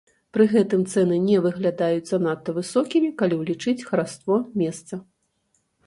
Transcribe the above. Пры гэтым цэны не выглядаюць занадта высокімі, калі ўлічыць хараство месца.